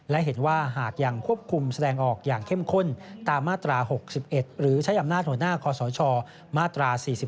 และเห็นว่าหากยังควบคุมแสดงออกอย่างเข้มข้นตามมาตรา๖๑หรือใช้อำนาจหัวหน้าคอสชมาตรา๔๔